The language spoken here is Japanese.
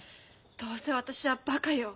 どうせ私はバカよ。